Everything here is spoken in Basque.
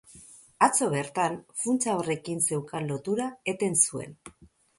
Atzo bertan, funtsa horrekin zeukan lotura eten zuen.